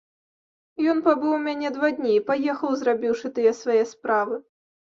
Ён пабыў у мяне два дні і паехаў, зрабіўшы тыя свае справы.